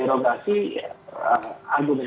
argumentasi pembelaan tersebut